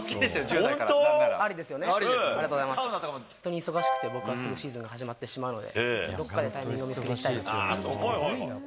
本当に忙しくて、すぐシーズンが始まってしまうので、どっかでタイミングを見つけて行きたいなと思います。